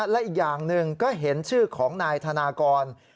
และอีกอย่างหนึ่งก็เห็นชื่อของนายธนากร